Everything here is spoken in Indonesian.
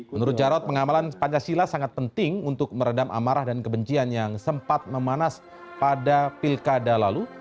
menurut jarod pengamalan pancasila sangat penting untuk meredam amarah dan kebencian yang sempat memanas pada pilkada lalu